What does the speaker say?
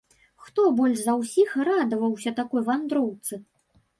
Хто больш за ўсіх радаваўся такой вандроўцы?